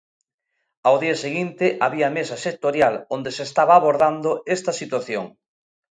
Ao día seguinte había mesa sectorial, onde se estaba abordando esta situación.